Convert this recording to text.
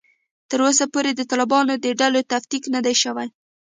تر اوسه پورې د طالبانو د ډلو تفکیک نه دی شوی